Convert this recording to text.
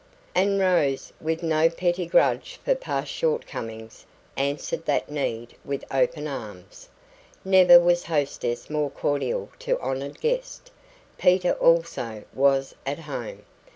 And Rose, with no petty grudge for past short comings, answered that need with open arms. Never was hostess more cordial to honoured guest. Peter also was at home.